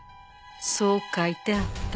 そう書いてあった。